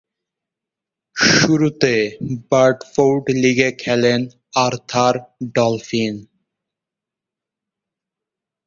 শুরুতে ব্রাডফোর্ড লীগে খেলেন আর্থার ডলফিন।